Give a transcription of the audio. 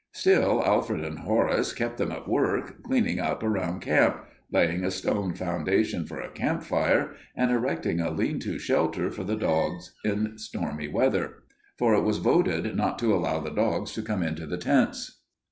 Still Alfred and Horace kept them at work, cleaning up around camp, laying a stone foundation for a campfire, and erecting a lean to shelter for the dogs in stormy weather, for it was voted not to allow the dogs to come into the tents.